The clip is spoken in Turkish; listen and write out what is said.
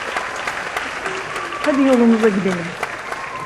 Hadi yolumuza gidelim!